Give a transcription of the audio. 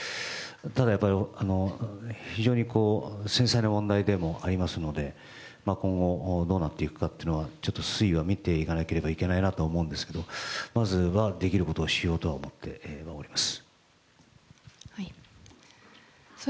ただ、非常に繊細な問題でもありますので、今後、どうなっていくかは推移は見ていかなければいけないなと思いますが、まずは、できることをしようとは思ってはおります。